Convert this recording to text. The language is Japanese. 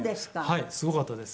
「はいすごかったです」